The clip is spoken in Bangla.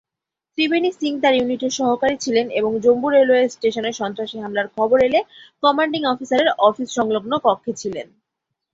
ত্রিবেণী সিং তার ইউনিটের সহকারী ছিলেন এবং জম্মু রেলওয়ে স্টেশনে সন্ত্রাসী হামলার খবর এলে কমান্ডিং অফিসারের অফিস সংলগ্ন কক্ষে ছিলেন।